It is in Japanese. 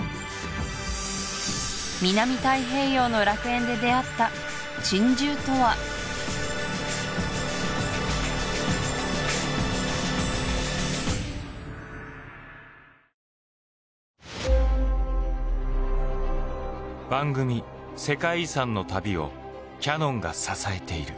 南太平洋の楽園で出会った珍獣とは番組「世界遺産」の旅をキヤノンが支えている。